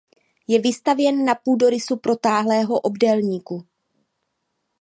Je vystavěn na půdorysu protáhlého obdélníku.